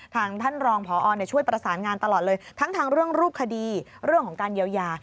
ท่านรองพอช่วยประสานงานตลอดเลยทั้งทางเรื่องรูปคดีเรื่องของการเยียวยา